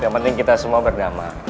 yang penting kita semua berdamai